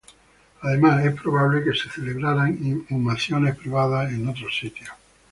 Además, es probable que se celebraran inhumaciones privadas en otros sitios.